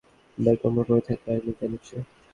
বেগম উপরে থাকে, আর মির্জা নিচে।